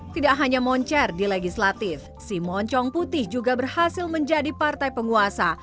tidak hanya moncer di legislatif si moncong putih juga berhasil menjadi partai penguasa